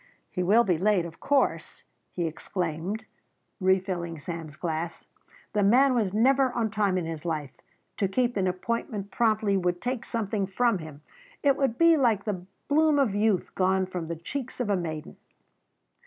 "He will be late, of course," he exclaimed, refilling Sam's glass. "The man was never on time in his life. To keep an appointment promptly would take something from him. It would be like the bloom of youth gone from the cheeks of a maiden."